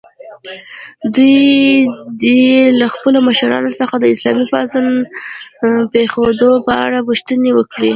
دوی دې له خپلو مشرانو څخه د اسلامي پاڅون پېښېدو په اړه پوښتنې وکړي.